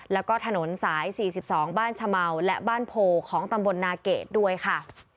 แล้วก็ถนนสาย๔๒บ้านชะเมาและบ้านโพของตำบลนาเกดด้วยค่ะ